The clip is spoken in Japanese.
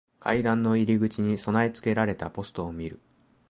階段の入り口に備え付けられたポストを見る。